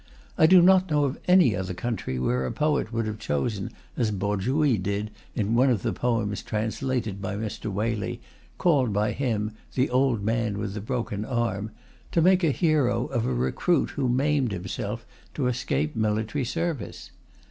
I do not know of any other country where a poet would have chosen, as Po Chui did in one of the poems translated by Mr. Waley, called by him The Old Man with the Broken Arm, to make a hero of a recruit who maimed himself to escape military service.